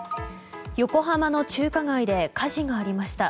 横浜の中華街で火事がありました。